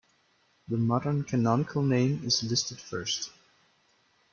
The modern canonical name is listed first.